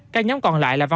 các nhóm còn lại là văn hóa